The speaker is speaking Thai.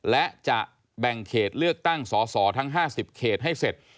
และจะแบ่งเขตเลือกตั้งสอสอทั้ง๕๐เขตให้เสร็จ